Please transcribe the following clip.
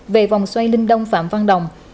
về vòng xoay linh đông phạm văn đồng